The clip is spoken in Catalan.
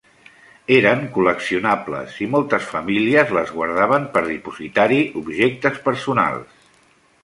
Eren col·leccionables i moltes famílies les guardaven per dipositar-hi objectes personals.